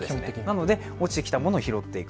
なので落ちてきたものを拾っていく。